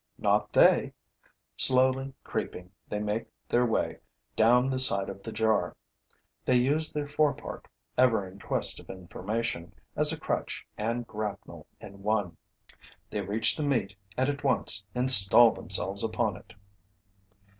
Not they! Slowly creeping, they make their way down the side of the jar; they use their fore part, ever in quest of information, as a crutch and grapnel in one. They reach the meat and at once install themselves upon it.